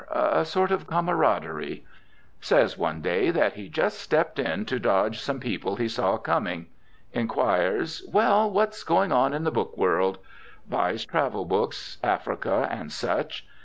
A sort of camaraderie. Says, one day, that he just stepped in to dodge some people he saw coming. Inquires, "Well, what's going on in the book world?" Buys travel books, Africa and such.